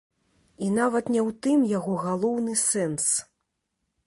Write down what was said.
І нават не ў тым яго галоўны сэнс.